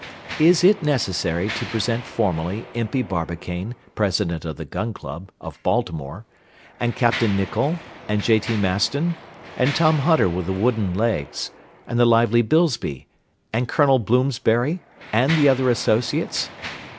Is it necessary to present formally Impey Barbicane, President of the Gun Club, of Baltimore, and Capt. Nicholl, and J. T. Maston, and Tom Hunter with the wooden legs, and the lively Bilsby, and Col. Bloomsberry, and the other associates?